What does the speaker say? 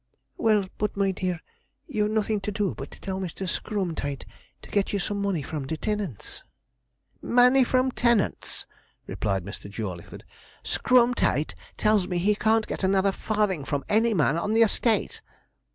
'Well, but, my dear, you've nothing to do but tell Mr. Screwemtight to get you some money from the tenants.' 'Money from the tenants!' replied Mr. Jawleyford. 'Screwemtight tells me he can't get another farthing from any man on the estate.'